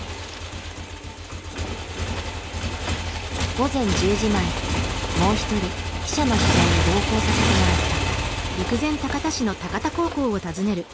午前１０時前もう一人記者の取材に同行させてもらった。